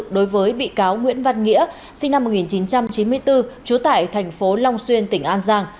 đối với bị cáo nguyễn văn nghĩa sinh năm một nghìn chín trăm chín mươi bốn trú tại thành phố long xuyên tỉnh an giang